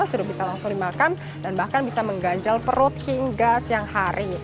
sudah bisa langsung dimakan dan bahkan bisa mengganjal perut hingga siang hari